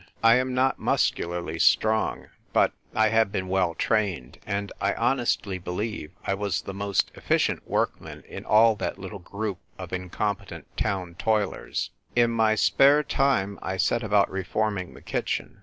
I am not muscularly strong, but I have been well trained, and I honestly believe I was the most efficient workman in all that little group of incom petent town toilers. A MUTINOUS MUTINEER. 75 In my spare time I set about reforming the kitchen.